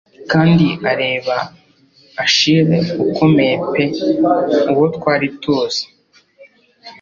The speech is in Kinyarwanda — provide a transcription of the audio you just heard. Kandi reba Achille ukomeye pe uwo twari tuzi.